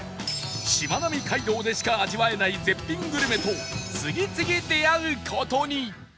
しまなみ海道でしか味わえない絶品グルメと次々出会う事に！